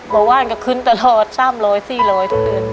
เมื่อวานก็ขึ้นตลอด๓๐๐๔๐๐ทุกเดือน